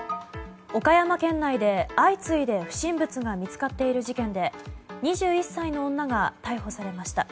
岡山県内で相次いで不審物が見つかっている事件で２１歳の女が逮捕されました。